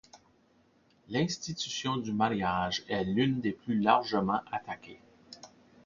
L'institution du mariage est l'une des plus largement attaquée.